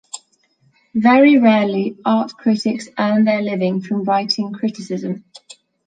Very rarely art critics earn their living from writing criticism.